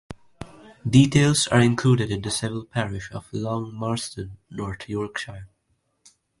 Details are included in the civil parish of Long Marston, North Yorkshire.